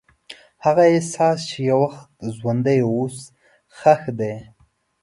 هغه احساس چې یو وخت ژوندی و، اوس ښخ دی.